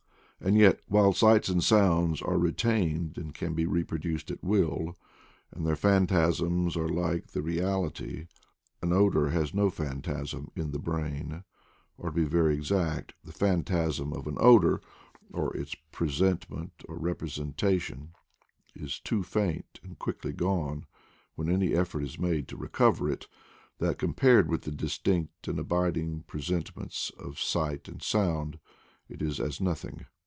And yet, while sights and sounds are retained and can be reproduced at will, and their phantasms are like the reality, an odor has no phantasm in the brain; or, to be very exact, the phantasm of an odor, or its presentment or representation, is so faint and quickly gone when any effort is made to recover it, that, compared with the distinct and abiding presentments of sights and sounds, it is as nothing.